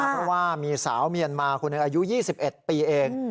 เพราะว่ามีสาวเมียนมาคนหนึ่งอายุ๒๑ปีเอง